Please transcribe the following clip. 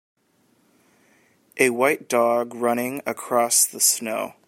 A white dog running across the snow